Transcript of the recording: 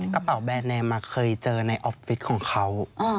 กระเป๋าแบรนดแนมเคยเจอในออฟฟิศของเขา